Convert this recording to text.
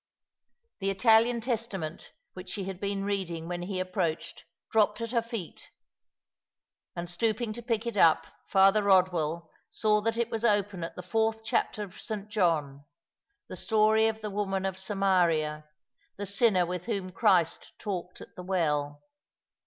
The Italian Testament which she had been reading when he approached dropped at her feet, and stooping to pick it up rath(Xr Eodwell saw that it was open at the fourth chapter of St. John, the story of the woman of Samaria, the sinner with whom Christ talked at the well.